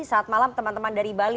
saat malam teman teman dari bali